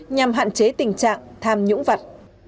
nhằm hạn chế tình trạng tham nhũng vặt